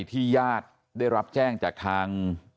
ญาติได้รับแจ้งจากทาง